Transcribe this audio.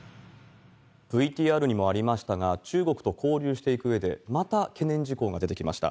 ＶＴＲにもありましたが、中国と交流していくうえで、また懸念事項が出てきました。